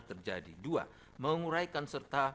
terjadi dua menguraikan serta